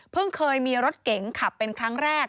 เคยมีรถเก๋งขับเป็นครั้งแรก